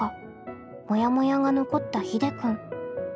モヤモヤが残ったひでくん。